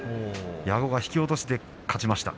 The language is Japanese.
矢後が引き落としで勝ちました。